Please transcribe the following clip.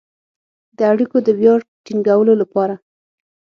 د اړیکو د بيا ټينګولو لپاره